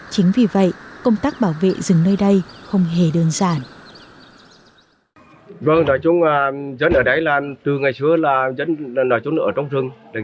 chính vì vậy công tác bảo vệ rừng nơi đây không hề đơn giản